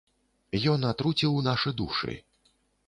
Ён атруціў нашы душы.